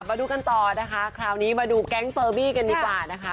มาดูกันต่อนะคะคราวนี้มาดูแก๊งเฟอร์บี้กันดีกว่านะคะ